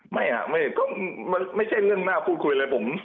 ไม่ไม่ใช่เรื่องน่าพูดคุยเลย